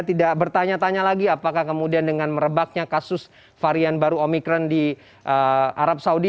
tidak bertanya tanya lagi apakah kemudian dengan merebaknya kasus varian baru omikron di arab saudi